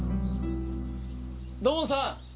土門さん。